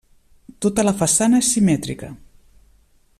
Tota la façana és simètrica.